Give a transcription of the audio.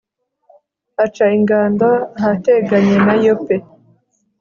aca ingando ahateganye na yope